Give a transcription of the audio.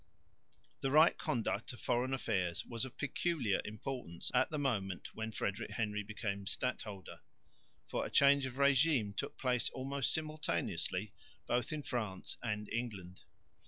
The right conduct of foreign affairs was of peculiar importance at the moment, when Frederick Henry became stadholder, for a change of régime took place almost simultaneously both in France and England.